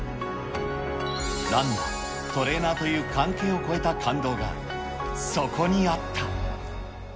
ランナー、トレーナーという関係を超えた感動が、そこにあった。